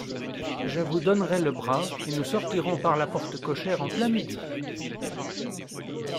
Je vous donnerai le bras et nous sortirons par la porte cochère, en plein midi.